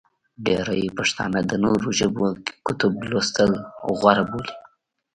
ډېری پښتانه د نورو ژبو کتب لوستل غوره بولي.